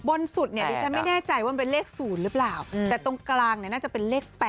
สุดเนี่ยดิฉันไม่แน่ใจว่ามันเป็นเลข๐หรือเปล่าแต่ตรงกลางเนี่ยน่าจะเป็นเลข๘